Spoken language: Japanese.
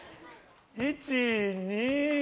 １・２。